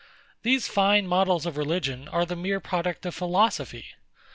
These fine models of religion are the mere product of philosophy.